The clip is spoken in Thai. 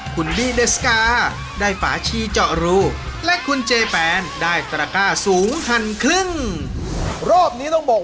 คุณไฟ่